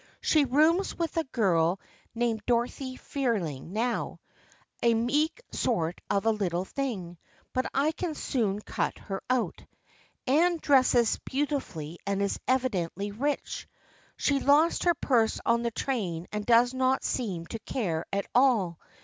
She rooms with a girl 32 THE FRIENDSHIP OF ANNE named Dorothy Fearing now, a meek sort of a 3 ittle thing, but I can soon cut her out. Anne dresses beautifully and is evidently rich. She lost her purse on the train and does not seem to care at all.